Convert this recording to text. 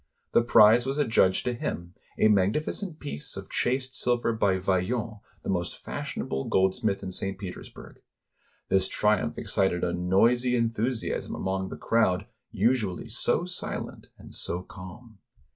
The prize was adjudged to him, a magnificent piece of chased silver by Vaillant, the most fashionable gold smith in St. Petersburg. This triumph excited a noisy enthusiasm among the crowd usually so silent and so calm.